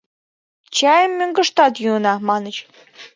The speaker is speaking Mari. «Чайым мӧҥгыштат йӱына», — маньыч.